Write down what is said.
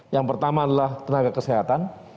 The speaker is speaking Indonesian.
yang pertama adalah tenaga kesehatan